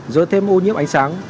rơi thêm ô nhiễm ánh sáng